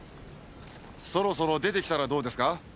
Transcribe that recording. そろそろ出てきたらどうですか？